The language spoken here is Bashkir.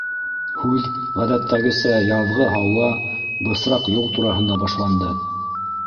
Һүҙ, ғәҙәттәгесә, яҙғы һауа, бысраҡ юл тураһында башланды.